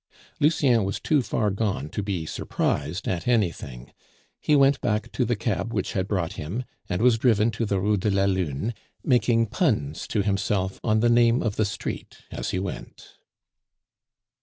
Lucien was too far gone to be surprised at anything. He went back to the cab which had brought him, and was driven to the Rue de la Lune, making puns to himself on the name of the street as he went.